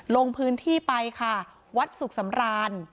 ลงพื้นที่ไปค่ะวัดสุขสำราน